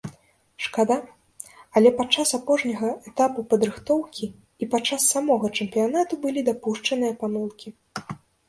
Шкада, але падчас апошняга этапу падрыхтоўкі, і падчас самога чэмпіянату былі дапушчаныя памылкі.